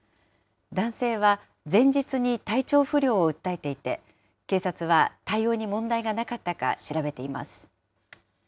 男性は前日に体調不良を訴えていて、警察は対応に問題がなかったか調べています。